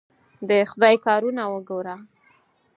د خدای کارونه وګوره!